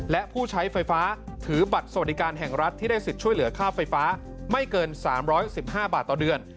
และผู้ใช้ไฟฟ้าถือบัตรสวัสดิการแห่งรัฐที่ได้สิทธิ์ช่วยเหลือค่าไฟฟ้าไม่เกิน๓๑๕บาทต่อเดือน